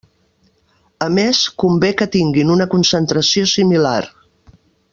A més, convé que tinguin una concentració similar.